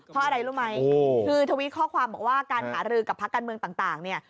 ถ้าใดรู้ไหมคือทวิทย์ข้อความบอกว่าการหารือกับพรรคการเมืองต่างเนี่ย